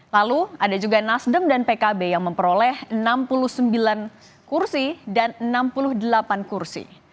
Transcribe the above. lalu ada juga nasdem dan pkb yang memperoleh enam puluh sembilan kursi dan enam puluh delapan kursi